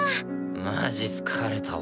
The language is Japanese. マジ疲れたわ。